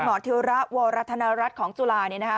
คุณหมอธิระวรัฐนรัฐของจุลาเนี่ยนะฮะ